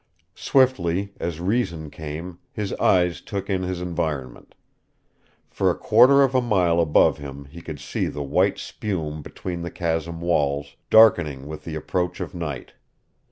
Swiftly, as reason came, his eyes took in his environment. For a quarter of a mile above him he could see the white spume between the chasm walls, darkening with the approach of night.